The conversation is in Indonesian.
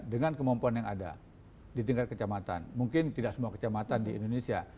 dengan kemampuan yang ada di tingkat kecamatan mungkin tidak semua kecamatan di indonesia